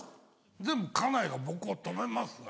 全部家内が僕を止めますね。